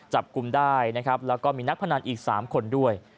จับกลุ่มได้นะครับแล้วก็มีนักพนันอีก๓คนด้วย